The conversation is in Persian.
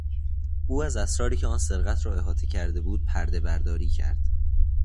او از اسراری که آن سرقت را احاطه کرده بود پردهبرداری کرد.